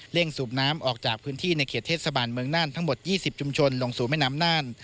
สูบน้ำออกจากพื้นที่ในเขตเทศบาลเมืองน่านทั้งหมด๒๐ชุมชนลงสู่แม่น้ำน่าน